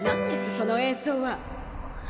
その演奏は！